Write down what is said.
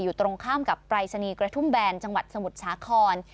อยู่ตรงข้ามกับปรายศนีย์กระทุ่มแบนจังหวัดสมุทรสาคร